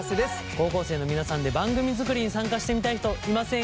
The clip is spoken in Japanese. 高校生の皆さんで番組作りに参加してみたい人いませんかね？